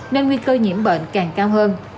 nên nguy cơ nhiễm bệnh càng cao hơn